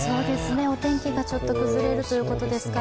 お天気がちょっと崩れるということですか